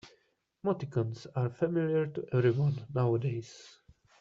Emoticons are familiar to everyone nowadays.